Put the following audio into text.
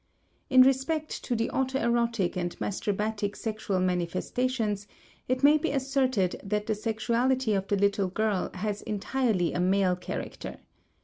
In respect to the autoerotic and masturbatic sexual manifestations, it may be asserted that the sexuality of the little girl has entirely a male character.